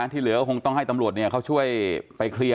ที่เหลือก็คงต้องให้ตำรวจเขาช่วยไปเคลียร์